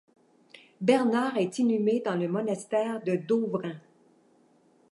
Bernard est inhumé dans le monastère de Doberan.